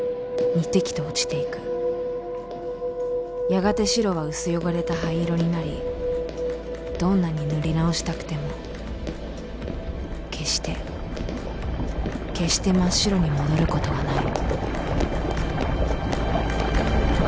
やがて白は薄汚れた灰色になりどんなに塗り直したくても決して決して真っ白に戻る事はない